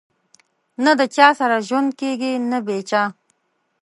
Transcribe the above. نه د چا سره ژوند کېږي نه بې چا